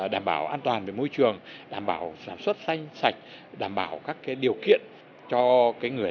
đảm bảo an toàn về môi trường đảm bảo sản xuất xanh sạch đảm bảo các điều kiện cho người